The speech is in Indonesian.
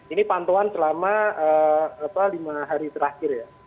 ini pantauan selama lima hari terakhir ya